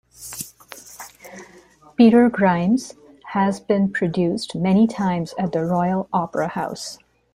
"Peter Grimes" has been produced many times at the Royal Opera House.